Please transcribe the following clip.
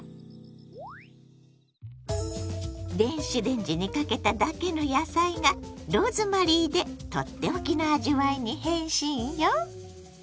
電子レンジにかけただけの野菜がローズマリーでとっておきの味わいに変身よ。